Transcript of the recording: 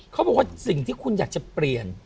เขาบอกว่าสิ่งที่คุณอยากจะเปลี่ยน